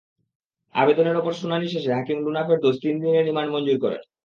আবেদনের ওপর শুনানি শেষে হাকিম লুনা ফেরদৌস তিন দিনের রিমান্ড মঞ্জুর করেন।